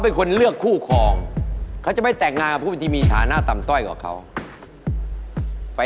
เพื่อนจะหันมาแบบว่า